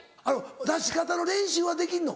出し方の練習はできるの？